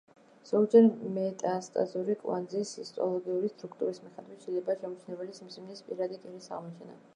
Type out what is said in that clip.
ზოგჯერ მეტასტაზური კვანძის ჰისტოლოგიური სტრუქტურის მიხედვით შეიძლება შეუმჩნეველი სიმსივნის პირველადი კერის აღმოჩენა.